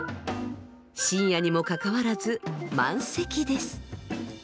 深夜にもかかわらず満席です。